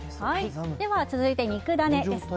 続いて肉ダネですね。